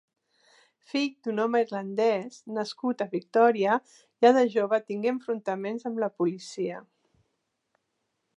Fill d'un home irlandès, nascut a Victòria, ja de jove tingué enfrontaments amb la policia.